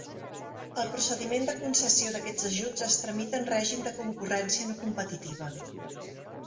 El procediment de concessió d'aquests ajuts es tramita en règim de concurrència no competitiva.